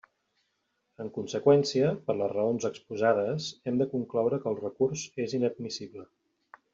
En conseqüència, per les raons exposades, hem de concloure que el recurs és inadmissible.